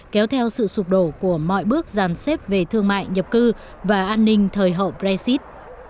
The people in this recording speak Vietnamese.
kéo theo sự sụp đổ của mọi bước giàn xếp về thương mại nhập cư và an ninh thời hậu brexit